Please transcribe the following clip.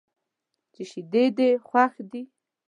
چې شیدې دې خوښ دي.